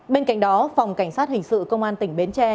bên cạnh đó phòng cảnh sát hình sự công an tỉnh bến tre